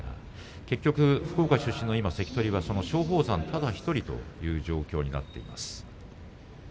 結局、福岡出身の関取は松鳳山ただ１人という状況になっています。